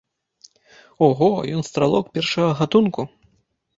Ого, ён стралок першага гатунку!